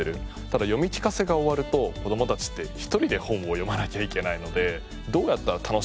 ただ読み聞かせが終わると子どもたちって１人で本を読まなきゃいけないので。